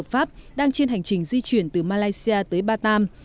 pháp đang trên hành trình di chuyển từ malaysia tới batam